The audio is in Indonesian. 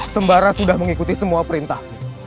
sembara sudah mengikuti semua perintah